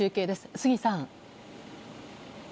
杉さん。